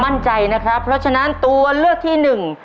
มั่นใจนะครับเพราะฉะนั้นตัวเลือกที่หนึ่ง